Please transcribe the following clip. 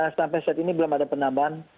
sampai saat ini belum ada penambahan